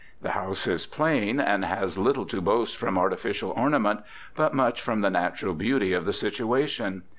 The house is plain and has little to boast from artificial ornament, but much from the natural beauty of the situation.